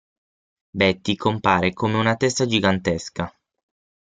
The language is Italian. Betty compare come una testa gigantesca.